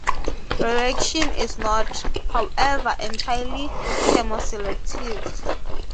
The reaction is not, however, entirely chemoselective.